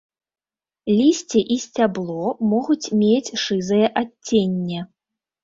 Лісце і сцябло могуць мець шызае адценне.